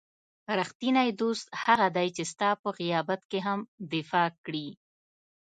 رښتینی دوست هغه دی چې ستا په غیابت کې هم دفاع کړي.